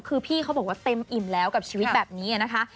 คือพี่เขาบอกว่าเต็มอิ่มแล้วกับชีวิตแบบนี้นะคะ